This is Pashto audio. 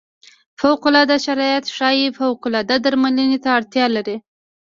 فوق العاده شرایط ښايي فوق العاده درملنې ته اړتیا لري.